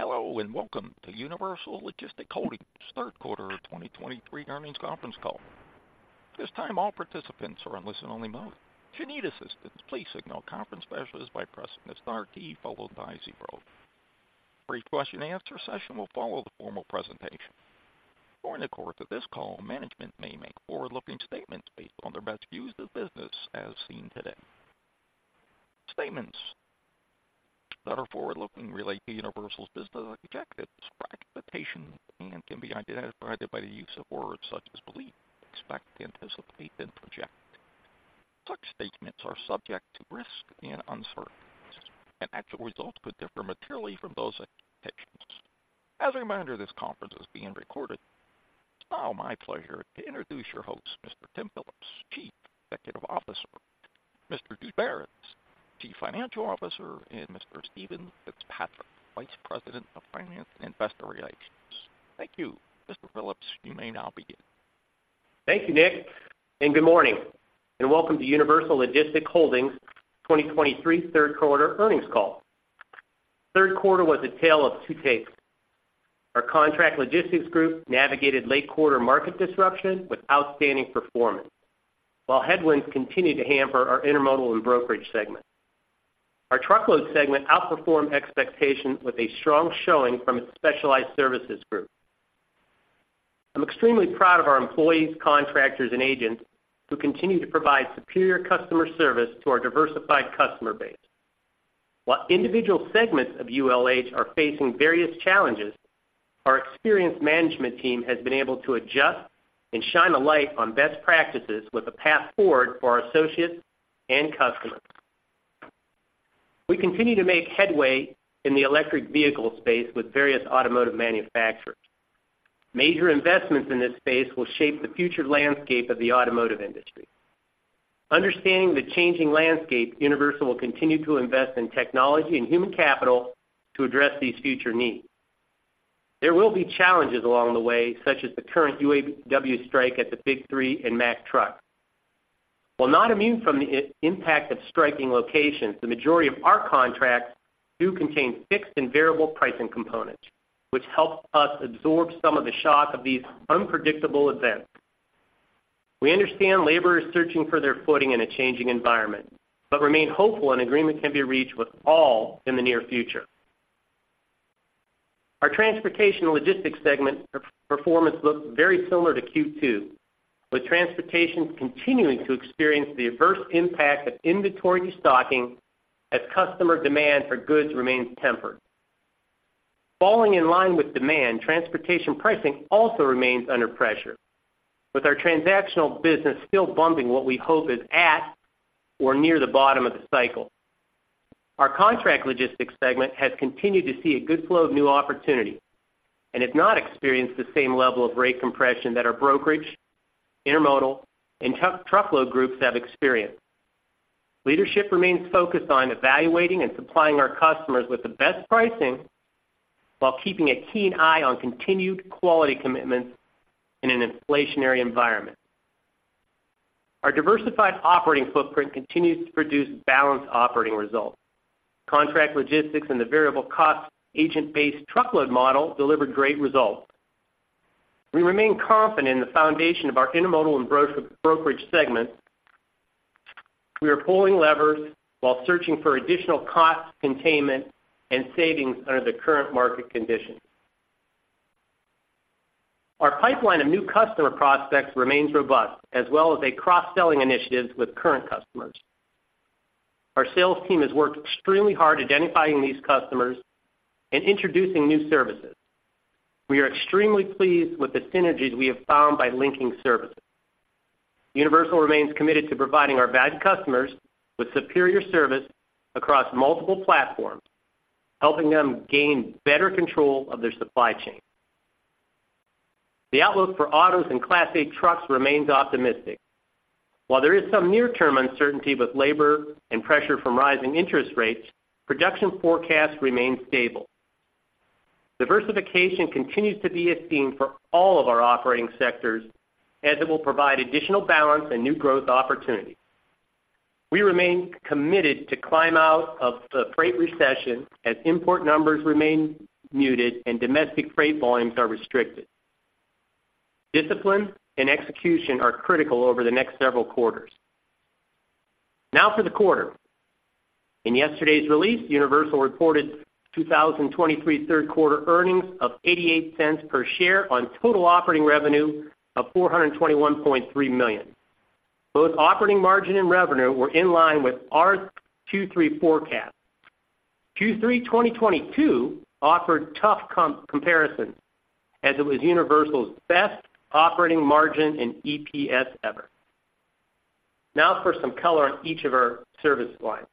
Hello, and welcome to Universal Logistics Holdings third quarter of 2023 earnings conference call. At this time, all participants are in listen-only mode. If you need assistance, please signal a conference specialist by pressing the star key followed by zero. A brief question-and-answer session will follow the formal presentation. During the course of this call, management may make forward-looking statements based on their best views of business as seen today. Statements that are forward-looking relate to Universal's business objectives or expectations and can be identified by the use of words such as believe, expect, anticipate, and project. Such statements are subject to risks and uncertainties, and actual results could differ materially from those expectations. As a reminder, this conference is being recorded. It's now my pleasure to introduce your host, Mr. Tim Phillips, Chief Executive Officer, Mr. Doug Barrett, Chief Financial Officer, and Mr. Steven Fitzpatrick, Vice President of Finance and Investor Relations. Thank you. Mr. Phillips, you may now begin. Thank you, Nick, and good morning, and welcome to Universal Logistics Holdings 2023 third quarter earnings call. Third quarter was a tale of two takes. Our contract logistics group navigated late-quarter market disruption with outstanding performance, while headwinds continued to hamper our intermodal and brokerage segment. Our truckload segment outperformed expectations with a strong showing from its specialized services group. I'm extremely proud of our employees, contractors, and agents, who continue to provide superior customer service to our diversified customer base. While individual segments of ULH are facing various challenges, our experienced management team has been able to adjust and shine a light on best practices with a path forward for our associates and customers. We continue to make headway in the electric vehicle space with various automotive manufacturers. Major investments in this space will shape the future landscape of the automotive industry. Understanding the changing landscape, Universal will continue to invest in technology and human capital to address these future needs. There will be challenges along the way, such as the current UAW strike at the Big Three and Mack Trucks. While not immune from the impact of striking locations, the majority of our contracts do contain fixed and variable pricing components, which help us absorb some of the shock of these unpredictable events. We understand labor is searching for their footing in a changing environment, but remain hopeful an agreement can be reached with all in the near future. Our transportation and logistics segment performance looked very similar to Q2, with transportation continuing to experience the adverse impact of inventory restocking as customer demand for goods remains tempered. Falling in line with demand, transportation pricing also remains under pressure, with our transactional business still bumping what we hope is at or near the bottom of the cycle. Our contract logistics segment has continued to see a good flow of new opportunities and has not experienced the same level of rate compression that our brokerage, intermodal, and truck-truckload groups have experienced. Leadership remains focused on evaluating and supplying our customers with the best pricing while keeping a keen eye on continued quality commitments in an inflationary environment. Our diversified operating footprint continues to produce balanced operating results. Contract logistics and the variable cost agent-based truckload model delivered great results. We remain confident in the foundation of our intermodal and broker-brokerage segment. We are pulling levers while searching for additional cost containment and savings under the current market conditions. Our pipeline of new customer prospects remains robust, as well as a cross-selling initiative with current customers. Our sales team has worked extremely hard identifying these customers and introducing new services. We are extremely pleased with the synergies we have found by linking services. Universal remains committed to providing our valued customers with superior service across multiple platforms, helping them gain better control of their supply chain. The outlook for autos and Class 8 trucks remains optimistic. While there is some near-term uncertainty with labor and pressure from rising interest rates, production forecasts remain stable. Diversification continues to be esteemed for all of our operating sectors as it will provide additional balance and new growth opportunities. We remain committed to climb out of the freight recession as import numbers remain muted and domestic freight volumes are restricted. Discipline and execution are critical over the next several quarters. Now for the quarter. In yesterday's release, Universal reported 2023 third-quarter earnings of $0.88 per share on total operating revenue of $421.3 million. Both operating margin and revenue were in line with our 2023 forecast. Q3 2022 offered tough comparison as it was Universal's best operating margin and EPS ever. Now for some color on each of our service lines.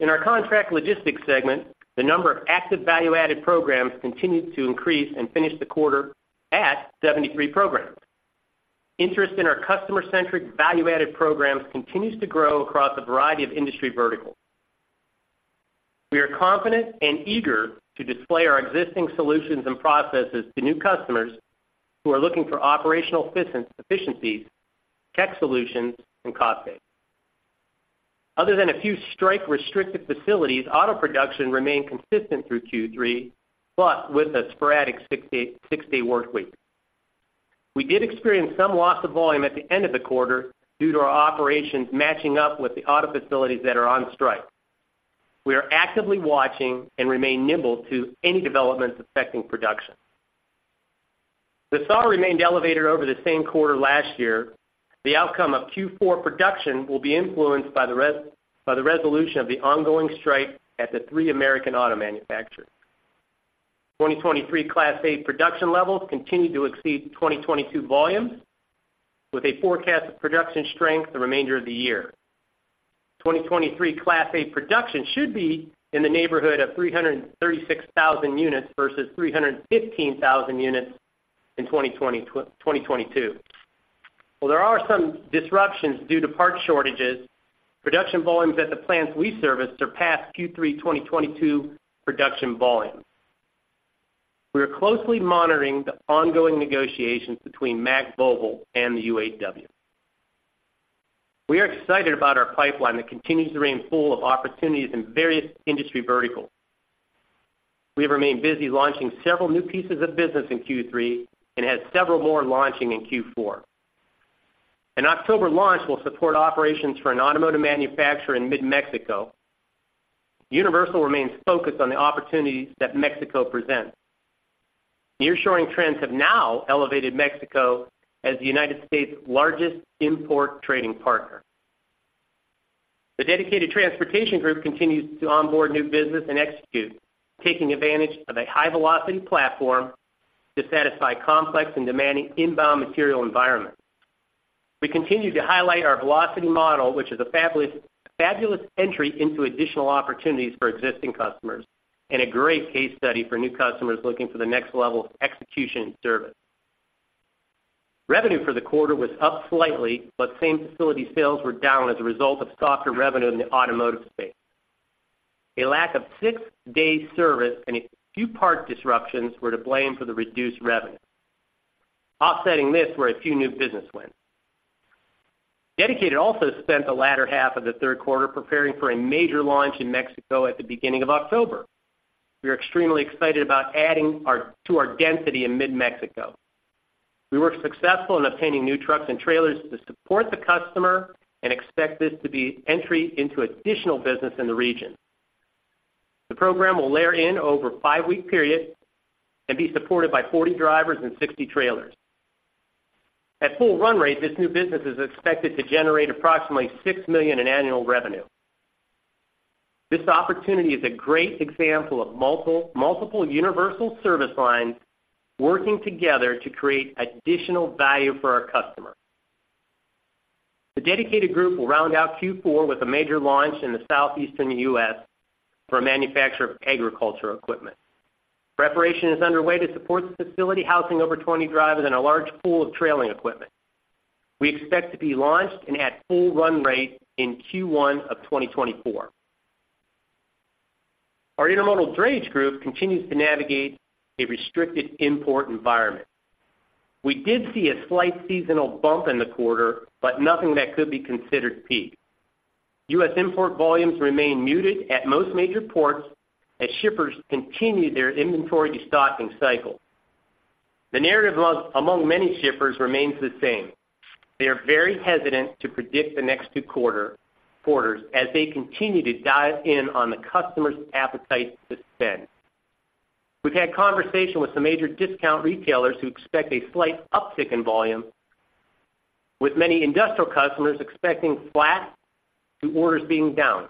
In our contract logistics segment, the number of active value-added programs continued to increase and finished the quarter at 73 programs. Interest in our customer-centric value-added programs continues to grow across a variety of industry verticals. We are confident and eager to display our existing solutions and processes to new customers who are looking for operational efficiency tech solutions, and cost base. Other than a few strike-restricted facilities, auto production remained consistent through Q3, but with a sporadic six-day workweek. We did experience some loss of volume at the end of the quarter due to our operations matching up with the auto facilities that are on strike. We are actively watching and remain nimble to any developments affecting production. The SAAR remained elevated over the same quarter last year. The outcome of Q4 production will be influenced by the resolution of the ongoing strike at the three American auto manufacturers. 2023 Class 8 production levels continued to exceed 2022 volumes, with a forecast of production strength the remainder of the year. 2023 Class 8 production should be in the neighborhood of 336,000 units versus 315,000 units in 2022. While there are some disruptions due to parts shortages, production volumes at the plants we service surpassed Q3 2022 production volumes. We are closely monitoring the ongoing negotiations between Mack Trucks, Volvo Group, and the UAW. We are excited about our pipeline that continues to remain full of opportunities in various industry verticals. We have remained busy launching several new pieces of business in Q3 and have several more launching in Q4. An October launch will support operations for an automotive manufacturer in mid-Mexico. Universal remains focused on the opportunities that Mexico presents. Nearshoring trends have now elevated Mexico as the United States' largest import trading partner. The Dedicated Transportation Group continues to onboard new business and execute, taking advantage of a high-velocity platform to satisfy complex and demanding inbound material environments. We continue to highlight our velocity model, which is a fabulous, fabulous entry into additional opportunities for existing customers and a great case study for new customers looking for the next level of execution and service. Revenue for the quarter was up slightly, but same facility sales were down as a result of softer revenue in the automotive space. A lack of six-day service and a few parts disruptions were to blame for the reduced revenue. Offsetting this were a few new business wins. Dedicated also spent the latter half of the third quarter preparing for a major launch in Mexico at the beginning of October. We are extremely excited about adding our-- to our density in mid-Mexico. We were successful in obtaining new trucks and trailers to support the customer and expect this to be entry into additional business in the region. The program will layer in over a 5-week period and be supported by 40 drivers and 60 trailers. At full run rate, this new business is expected to generate approximately $6 million in annual revenue. This opportunity is a great example of multiple, multiple Universal service lines working together to create additional value for our customer. The Dedicated group will round out Q4 with a major launch in the southeastern U.S. for a manufacturer of agriculture equipment. Preparation is underway to support the facility, housing over 20 drivers and a large pool of trailing equipment. We expect to be launched and at full run rate in Q1 of 2024. Our Intermodal drayage group continues to navigate a restricted import environment. We did see a slight seasonal bump in the quarter, but nothing that could be considered peak. US import volumes remain muted at most major ports as shippers continue their inventory destocking cycle. The narrative among many shippers remains the same: they are very hesitant to predict the next two quarters as they continue to dial in on the customer's appetite to spend. We've had conversation with some major discount retailers who expect a slight uptick in volume, with many industrial customers expecting flat to orders being down.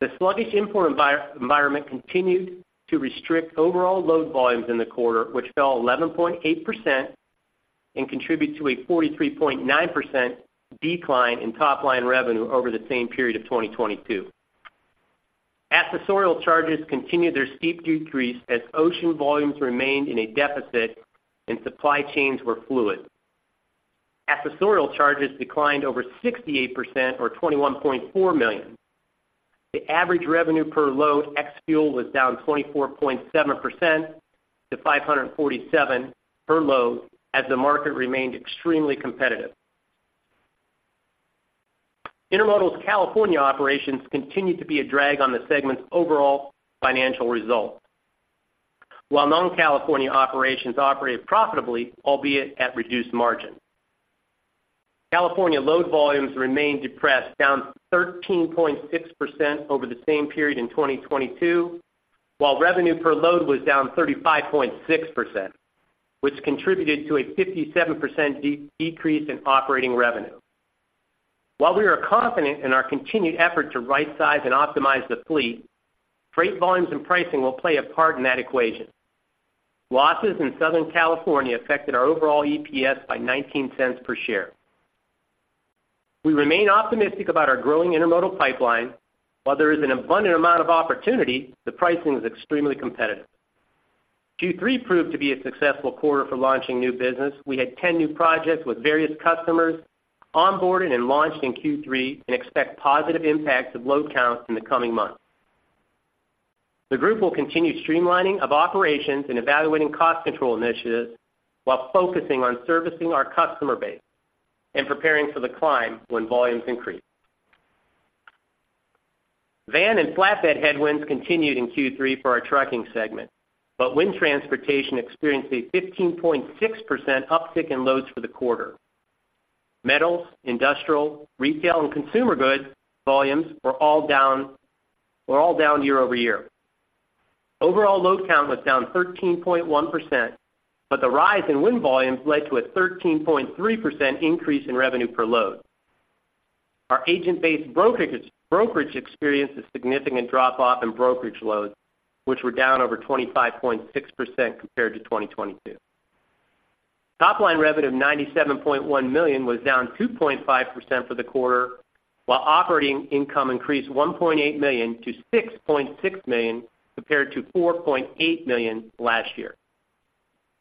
The sluggish import environment continued to restrict overall load volumes in the quarter, which fell 11.8% and contributed to a 43.9% decline in top-line revenue over the same period of 2022. Accessorial charges continued their steep decrease as ocean volumes remained in a deficit and supply chains were fluid. Accessorial charges declined over 68%, or $21.4 million. The average revenue per load, ex-fuel, was down 24.7% to 547 per load, as the market remained extremely competitive. Intermodal's California operations continued to be a drag on the segment's overall financial results, while non-California operations operated profitably, albeit at reduced margin. California load volumes remained depressed, down 13.6% over the same period in 2022, while revenue per load was down 35.6%, which contributed to a 57% decrease in operating revenue. While we are confident in our continued effort to rightsize and optimize the fleet, freight volumes and pricing will play a part in that equation. Losses in Southern California affected our overall EPS by $0.19 per share. We remain optimistic about our growing Intermodal pipeline. While there is an abundant amount of opportunity, the pricing is extremely competitive. Q3 proved to be a successful quarter for launching new business. We had 10 new projects with various customers onboarded and launched in Q3, and expect positive impacts of load counts in the coming months. The group will continue streamlining of operations and evaluating cost control initiatives, while focusing on servicing our customer base and preparing for the climb when volumes increase. Van and flatbed headwinds continued in Q3 for our trucking segment, but wind transportation experienced a 15.6% uptick in loads for the quarter. Metals, industrial, retail, and consumer goods volumes were all down year-over-year. Overall load count was down 13.1%, but the rise in wind volumes led to a 13.3% increase in revenue per load. Our agent-based brokerage experienced a significant drop-off in brokerage loads, which were down over 25.6% compared to 2022. Top line revenue of $97.1 million was down 2.5% for the quarter, while operating income increased $1.8 million-$6.6 million, compared to $4.8 million last year.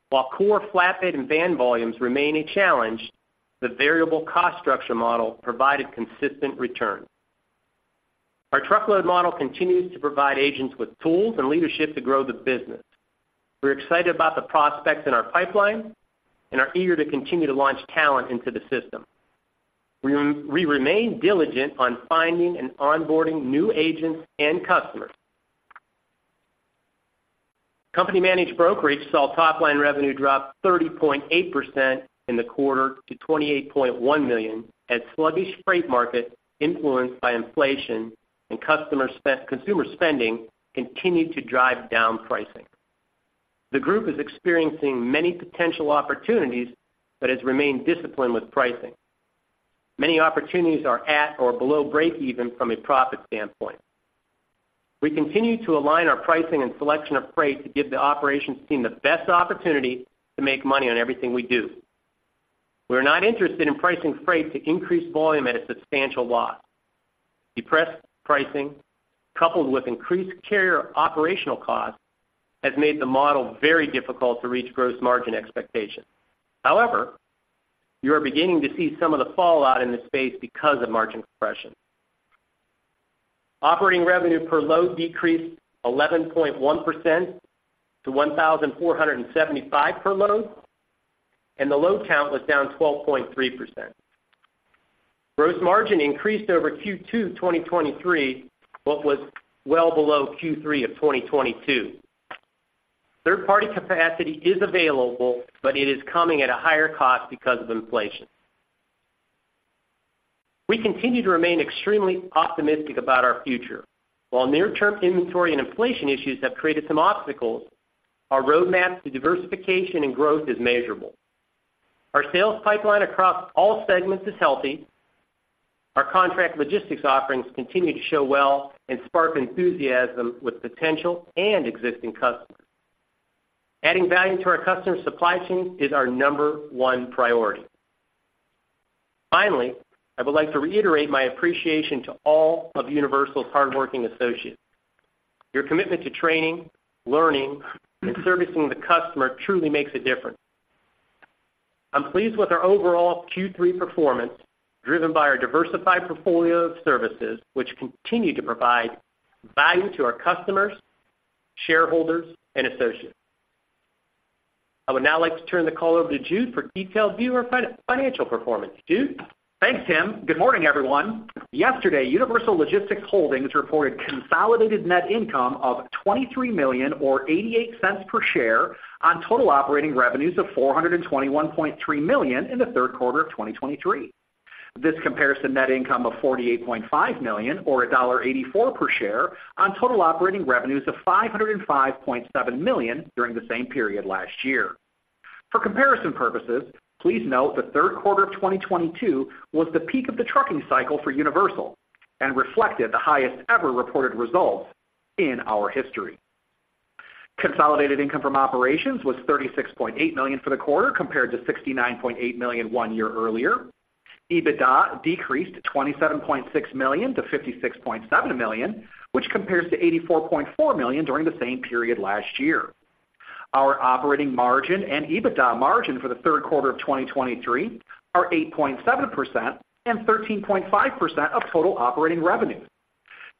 While core, flatbed, and van volumes remain a challenge, the variable cost structure model provided consistent returns. Our truckload model continues to provide agents with tools and leadership to grow the business. We're excited about the prospects in our pipeline and are eager to continue to launch talent into the system. We remain diligent on finding and onboarding new agents and customers. Company-managed brokerage saw top-line revenue drop 30.8% in the quarter to $28.1 million, as sluggish freight markets, influenced by inflation and consumer spending, continued to drive down pricing. The group is experiencing many potential opportunities but has remained disciplined with pricing. Many opportunities are at or below breakeven from a profit standpoint. We continue to align our pricing and selection of freight to give the operations team the best opportunity to make money on everything we do. We are not interested in pricing freight to increase volume at a substantial loss. Depressed pricing, coupled with increased carrier operational costs, has made the model very difficult to reach gross margin expectations. However, you are beginning to see some of the fallout in this space because of margin compression. Operating revenue per load decreased 11.1% to $1,475 per load, and the load count was down 12.3%. Gross margin increased over Q2 2023, but was well below Q3 of 2022. Third-party capacity is available, but it is coming at a higher cost because of inflation. We continue to remain extremely optimistic about our future. While near-term inventory and inflation issues have created some obstacles, our roadmap to diversification and growth is measurable. Our sales pipeline across all segments is healthy. Our contract logistics offerings continue to show well and spark enthusiasm with potential and existing customers. Adding value to our customers' supply chains is our number one priority. Finally, I would like to reiterate my appreciation to all of Universal's hardworking associates. Your commitment to training, learning, and servicing the customer truly makes a difference. I'm pleased with our overall Q3 performance, driven by our diversified portfolio of services, which continue to provide value to our customers, shareholders, and associates. I would now like to turn the call over to Jude for detailed view of financial performance. Jude? Thanks, Tim. Good morning, everyone. Yesterday, Universal Logistics Holdings reported consolidated net income of $23 million, or $0.88 per share, on total operating revenues of $421.3 million in the third quarter of 2023. This compares to net income of $48.5 million, or $1.84 per share, on total operating revenues of $505.7 million during the same period last year. For comparison purposes, please note the third quarter of 2022 was the peak of the trucking cycle for Universal and reflected the highest-ever reported results in our history. Consolidated income from operations was $36.8 million for the quarter, compared to $69.8 million one year earlier. EBITDA decreased to $27.6 million-$56.7 million, which compares to $84.4 million during the same period last year. Our operating margin and EBITDA margin for the third quarter of 2023 are 8.7% and 13.5% of total operating revenues.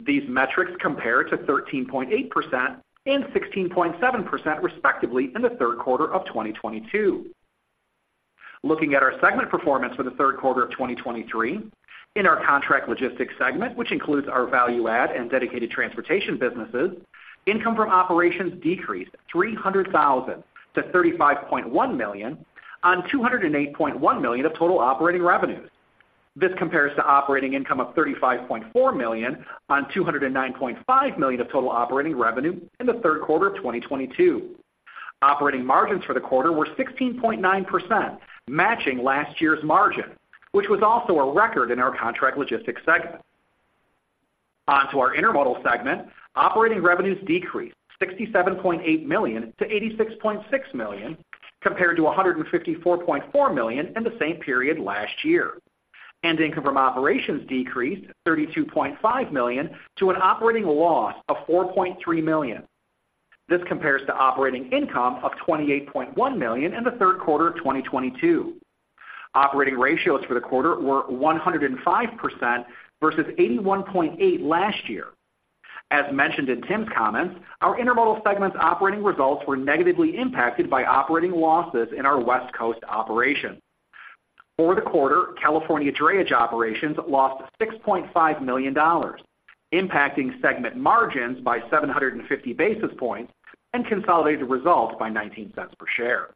These metrics compare to 13.8% and 16.7%, respectively, in the third quarter of 2022. Looking at our segment performance for the third quarter of 2023, in our contract logistics segment, which includes our value add and dedicated transportation businesses, income from operations decreased $300,000 to $35.1 million on $208.1 million of total operating revenues. This compares to operating income of $35.4 million on $209.5 million of total operating revenue in the third quarter of 2022. Operating margins for the quarter were 16.9%, matching last year's margin, which was also a record in our contract logistics segment. On to our intermodal segment. Operating revenues decreased $67.8 million to $86.6 million, compared to $154.4 million in the same period last year. Income from operations decreased $32.5 million to an operating loss of $4.3 million. This compares to operating income of $28.1 million in the third quarter of 2022. Operating ratios for the quarter were 105% versus 81.8% last year. As mentioned in Tim's comments, our intermodal segment's operating results were negatively impacted by operating losses in our West Coast operation. For the quarter, California drayage operations lost $6.5 million, impacting segment margins by 750 basis points and consolidated results by $0.19 per share.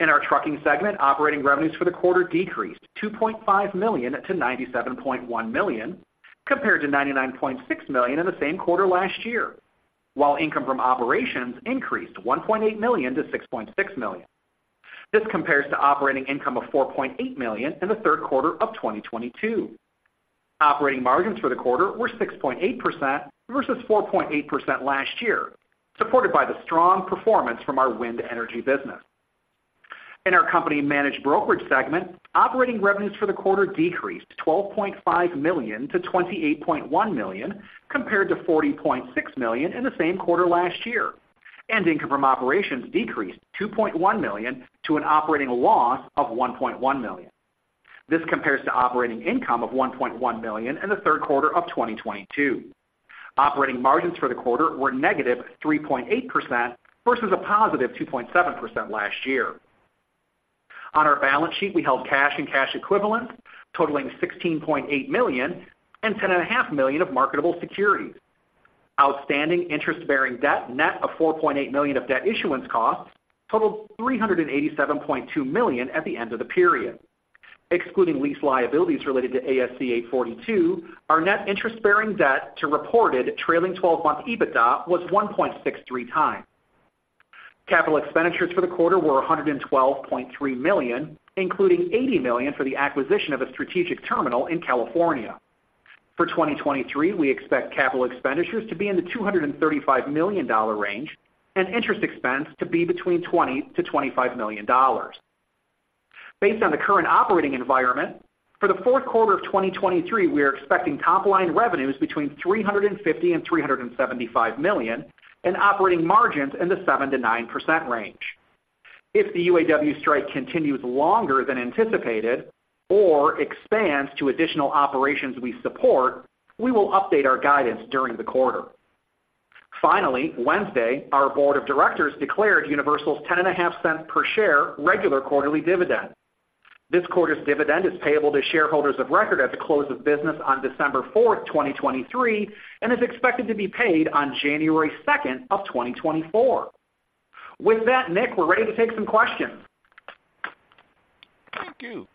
In our Trucking segment, operating revenues for the quarter decreased $2.5 million to $97.1 million, compared to $99.6 million in the same quarter last year, while income from operations increased $1.8 million to $6.6 million. This compares to operating income of $4.8 million in the third quarter of 2022. Operating margins for the quarter were 6.8% versus 4.8% last year, supported by the strong performance from our wind energy business. In our company Managed Brokerage segment, operating revenues for the quarter decreased $12.5 million to $28.1 million, compared to $40.6 million in the same quarter last year, and income from operations decreased $2.1 million to an operating loss of $1.1 million. This compares to operating income of $1.1 million in the third quarter of 2022. Operating margins for the quarter were negative 3.8% versus a positive 2.7% last year. On our balance sheet, we held cash and cash equivalents totaling $16.8 million and $10.5 million of marketable securities. Outstanding interest-bearing debt, net of $4.8 million of debt issuance costs, totaled $387.2 million at the end of the period. Excluding lease liabilities related to ASC 842, our net interest-bearing debt to reported trailing twelve-month EBITDA was 1.63 times. Capital expenditures for the quarter were $112.3 million, including $80 million for the acquisition of a strategic terminal in California. For 2023, we expect capital expenditures to be in the $235 million range and interest expense to be between $20 million-$25 million. Based on the current operating environment, for the fourth quarter of 2023, we are expecting top-line revenues between $350 million and $375 million, and operating margins in the 7%-9% range. If the UAW strike continues longer than anticipated or expands to additional operations we support, we will update our guidance during the quarter. Finally, Wednesday, our board of directors declared Universal's $0.105 per share regular quarterly dividend. This quarter's dividend is payable to shareholders of record at the close of business on December 4, 2023, and is expected to be paid on January 2, 2024. With that, Nick, we're ready to take some questions. Thank you.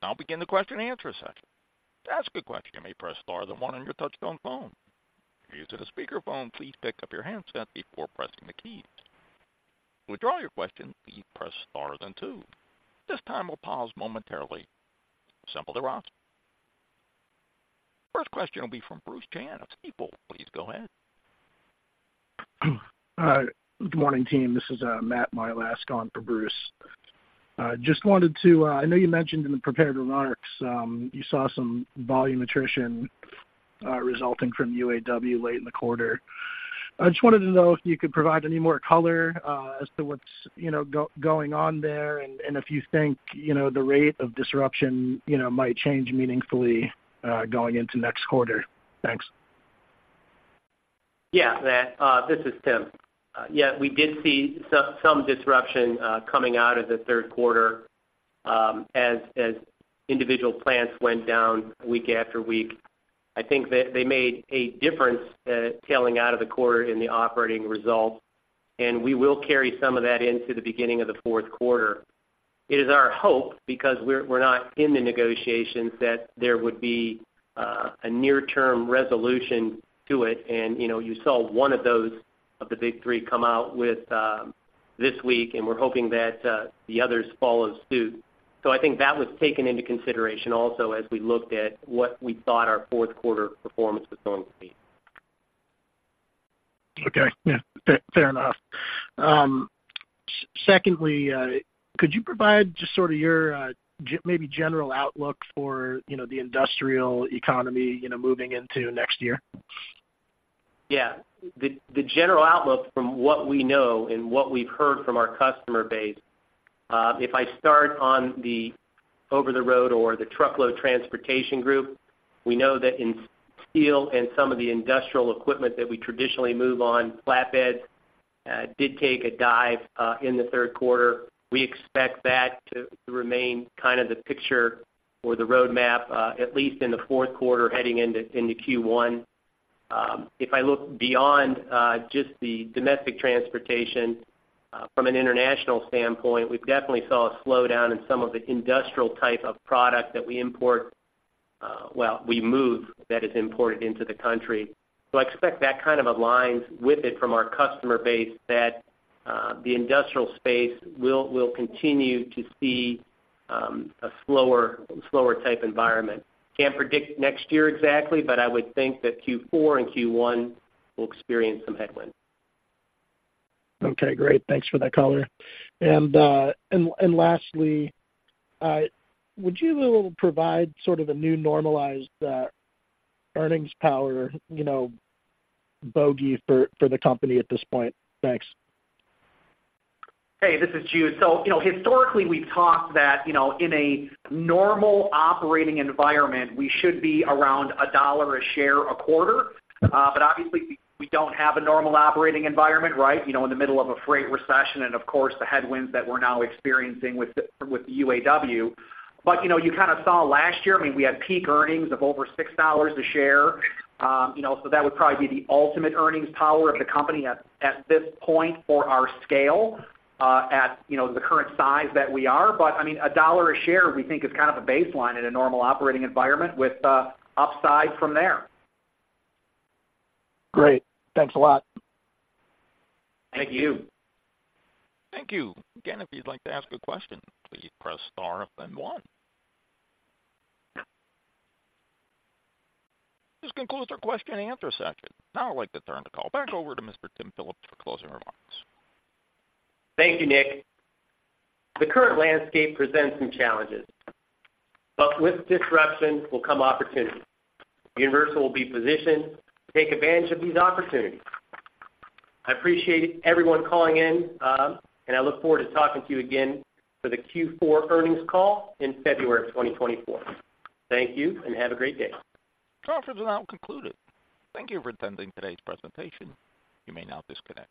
I'll begin the question and answer session. To ask a question, you may press star then one on your touchtone phone. If you're using a speakerphone, please pick up your handset before pressing the keys. To withdraw your question, please press star then two. This time we'll pause momentarily to assemble the roster. First question will be from Bruce Chan of Stifel. Please go ahead. Good morning, team. This is Matt Milask, on for Bruce. Just wanted to... I know you mentioned in the prepared remarks, you saw some volume attrition, resulting from UAW late in the quarter. I just wanted to know if you could provide any more color, as to what's, you know, going on there, and if you think, you know, the rate of disruption, you know, might change meaningfully, going into next quarter. Thanks. Yeah, Matt, this is Tim. Yeah, we did see some disruption coming out of the third quarter, as individual plants went down week after week. I think that they made a difference tailing out of the quarter in the operating results, and we will carry some of that into the beginning of the fourth quarter. It is our hope, because we're not in the negotiations, that there would be a near-term resolution to it. And, you know, you saw one of those of the Big Three come out with this week, and we're hoping that the others follow suit. So I think that was taken into consideration also as we looked at what we thought our fourth quarter performance was going to be. Okay. Yeah, fair, fair enough. Secondly, could you provide just sort of your, maybe general outlook for, you know, the industrial economy, you know, moving into next year? Yeah. The general outlook from what we know and what we've heard from our customer base, if I start on the over-the-road or the truckload transportation group, we know that in steel and some of the industrial equipment that we traditionally move on flatbed did take a dive in the third quarter. We expect that to remain kind of the picture or the roadmap at least in the fourth quarter, heading into Q1. If I look beyond just the domestic transportation, from an international standpoint, we've definitely saw a slowdown in some of the industrial type of product that we import, well, we move, that is imported into the country. So I expect that kind of aligns with it from our customer base, that the industrial space will continue to see a slower type environment. Can't predict next year exactly, but I would think that Q4 and Q1 will experience some headwinds. Okay, great. Thanks for that color. And lastly, would you be able to provide sort of a new normalized earnings power, you know, bogey for the company at this point? Thanks. Hey, this is Jude. So, you know, historically, we've talked that, you know, in a normal operating environment, we should be around $1 a share a quarter. But obviously, we don't have a normal operating environment, right? You know, in the middle of a freight recession and of course, the headwinds that we're now experiencing with the UAW. But, you know, you kind of saw last year, I mean, we had peak earnings of over $6 a share. You know, so that would probably be the ultimate earnings power of the company at this point for our scale, at the current size that we are. But, I mean, $1 a share we think is kind of a baseline in a normal operating environment with upside from there. Great. Thanks a lot. Thank you. Thank you. Again, if you'd like to ask a question, please press star then one. This concludes our question and answer session. Now I'd like to turn the call back over to Mr. Tim Phillips for closing remarks. Thank you, Nick. The current landscape presents some challenges, but with disruption will come opportunity. Universal will be positioned to take advantage of these opportunities. I appreciate everyone calling in, and I look forward to talking to you again for the Q4 earnings call in February of 2024. Thank you, and have a great day. Conference is now concluded. Thank you for attending today's presentation. You may now disconnect.